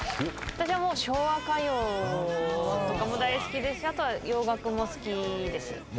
私はもう昭和歌謡とかも大好きですしあとは洋楽も好きです。